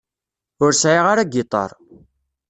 Ur sɛiɣ ara agiṭar.